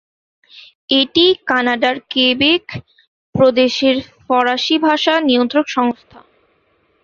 এটি কানাডার কেবেক প্রদেশের ফরাসি ভাষা নিয়ন্ত্রক সংস্থা।